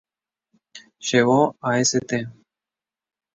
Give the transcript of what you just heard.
Llevó a St.